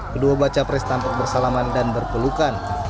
kedua baca pres tampak bersalaman dan berpelukan